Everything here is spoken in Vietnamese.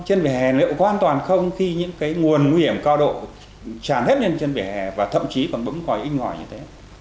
trên vỉa hè liệu có an toàn không khi những nguồn nguy hiểm cao độ tràn hết lên trên vỉa hè và thậm chí còn bỗng khỏi in ngòi như thế